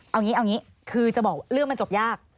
เอาอย่างนี้คือจะบอกเรื่องมันจบยาก